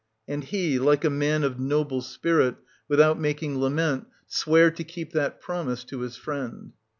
And he, like a man of noble spirit, with out making lament, sware to keep that promise to his friend.